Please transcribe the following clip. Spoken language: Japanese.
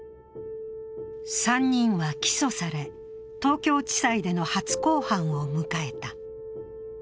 ３人は起訴され、東京地裁での初公判を迎えた。